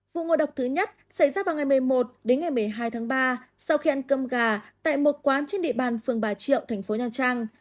vụ ngộ độc thứ nhất xảy ra vào ngày một mươi một đến ngày một mươi hai tháng ba sau khi ăn cơm gà tại một quán trên địa bàn phường bà triệu thành phố nha trang